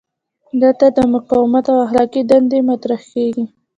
دلته د مقاومت اخلاقي دنده مطرح کیږي.